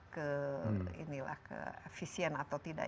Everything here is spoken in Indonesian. ke efisien atau tidak